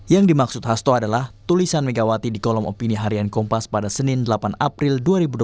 yang dimaksud hasto adalah tulisan megawati di kolom opini harian kompas pada senin delapan april dua ribu dua puluh